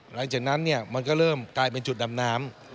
หลังจากนั้นมันก็เริ่มกลายเป็นจุดดำน้ำ